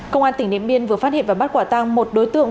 công an tỉnh điện biên vừa phát hiện và bắt quả tăng một đối tượng